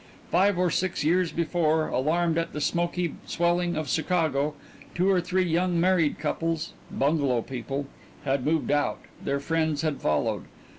Five or six years before, alarmed at the smoky swelling of Chicago, two or three young married couples, "bungalow people," had moved out; their friends had followed.